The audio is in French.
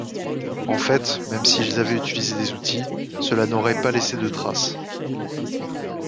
En fait, même s’ils avaient utilisé des outils, cela n’aurait pas laissé de trace.